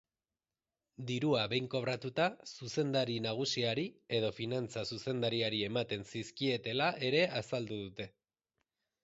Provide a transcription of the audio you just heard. Dirua behin kobratuta zuzendari nagusiari edo finantza zuzendariari ematen zizkietela ere azaldu dute.